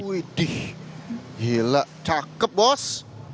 wih dih gila cakep bos